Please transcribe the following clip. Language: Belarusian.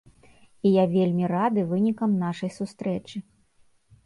І я вельмі рады вынікам нашай сустрэчы.